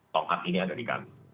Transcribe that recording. tongkat ini ada di kami